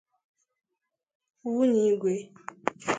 nwunye Igwe